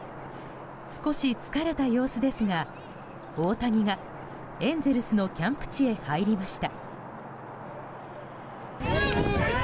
少し疲れた様子ですが大谷がエンゼルスのキャンプ地へ帰りました。